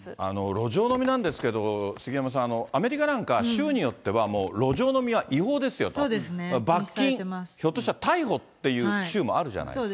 路上飲みなんですけど、杉山さん、アメリカなんか州によってそうですね、罰金、ひょっとしたら逮捕っていう州もあるじゃないですか。